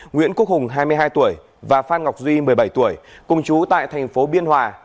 nguyễn quốc hùng hai mươi hai tuổi và phan ngọc duy một mươi bảy tuổi cùng chú tại thành phố biên hòa